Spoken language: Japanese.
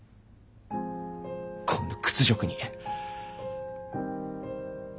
こんな屈辱に。